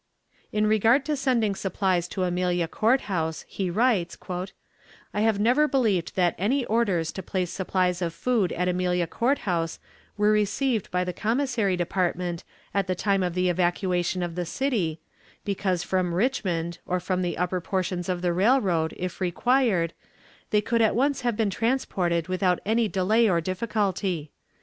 In regard to sending supplies to Amelia Court House, he writes: "I have never believed that any orders to place supplies of food at Amelia Court House were received by the commissary department at the time of the evacuation of the city, because from Richmond, or from the upper portions of the railroad, if required, they could at once have been transported without any delay or difficulty.